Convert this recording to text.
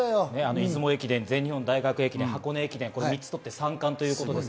出雲駅伝、全日本大学駅伝、箱根駅伝、３つ取って三冠です。